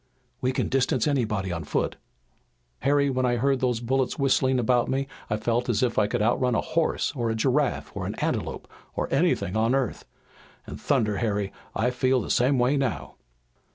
"We can distance anybody on foot. Harry, when I heard those bullets whistling about me I felt as if I could outrun a horse, or a giraffe, or an antelope, or anything on earth! And thunder, Harry, I feel the same way now!"